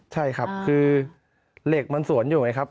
ใช่ครับคือเหล็กมันสวนอยู่ไงครับ